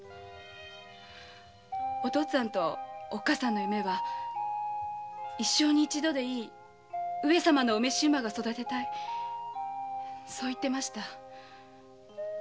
お父っつぁんとおっかさんの夢は一生に一度でいい上様の御召馬を育てたいそう言っていました。